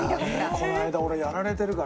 この間俺やられてるから。